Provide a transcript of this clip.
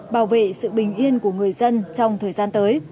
bảo vệ sự bình yên của người dân trong thời gian tới